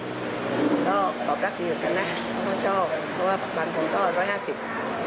ก็ตอบรับดีเหมือนกันนะก็ชอบเพราะว่าวันผมก็ร้อยห้าสิบ